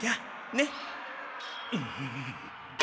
ねっ？